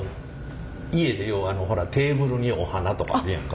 家でようほらテーブルにお花とかあるやんか。